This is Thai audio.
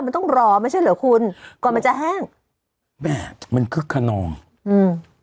มันต้องรอไม่ใช่เหรอคุณก่อนมันจะแห้งแบบมันคึกขนองอืม